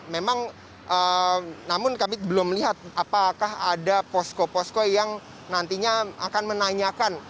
memang namun kami belum melihat apakah ada posko posko yang nantinya akan menanyakan